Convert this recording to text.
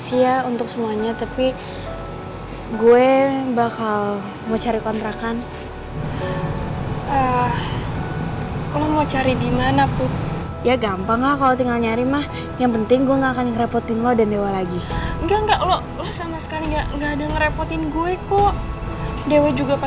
ini kamar nyamannya wowingits empuknya wowingits juga